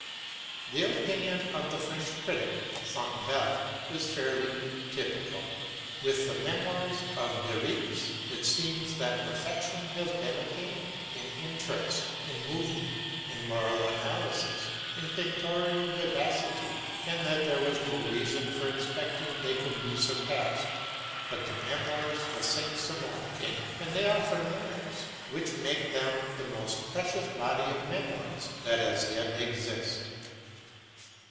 The opinion of the French critic, Sainte Beuve, is fairly typical. “With the Memoirs of De Retz, it seemed that perfection had been attained, in interest, in movement, in moral analysis, in pictorial vivacity, and that there was no reason for expecting they could be surpassed. But the ‘Memoirs’ of Saint Simon came; and they offer merits ... which make them the most precious body of Memoirs that as yet exist.